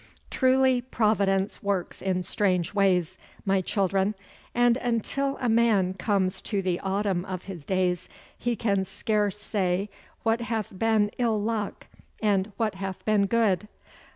Truly Providence works in strange ways, my children, and until a man comes to the autumn of his days he can scarce say what hath been ill luck and what hath been good.